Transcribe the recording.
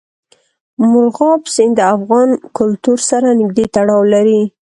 مورغاب سیند د افغان کلتور سره نږدې تړاو لري.